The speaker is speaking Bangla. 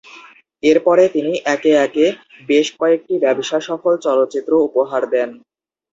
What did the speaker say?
এরপরে তিনি একে একে বেশ কয়েকটি ব্যবসাসফল চলচ্চিত্র উপহার দেন।